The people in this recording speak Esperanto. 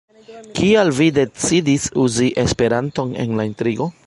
Kial vi decidis uzi Esperanton en la intrigo?